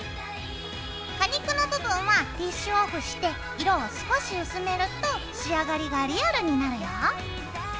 果肉の部分はティッシュオフして色を少し薄めると仕上がりがリアルになるよ。